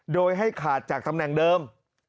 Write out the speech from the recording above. โดยให้ขาดจากตำแหน่งเดิม